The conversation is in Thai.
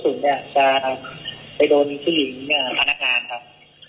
แต่คุณไม่คิดว่าลูกกระสุนจะไปโดนผู้หลิงพนักงานครับ